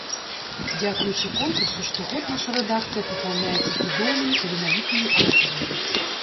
Дзякуючы конкурсу штогод наша рэдакцыя папаўняецца цудоўнымі таленавітымі аўтарамі.